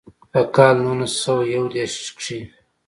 پۀ کال نولس سوه يو ديرشم کښې